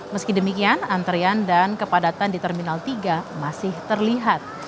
meski demikian antrian dan kepadatan di terminal tiga masih terlihat